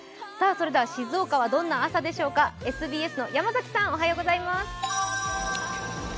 静岡はどんな朝でしょうか、ＳＢＳの山崎さん、おはようございます。